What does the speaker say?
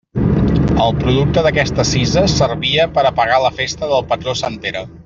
El producte d'aquesta cisa servia per a pagar la festa del patró sant Pere.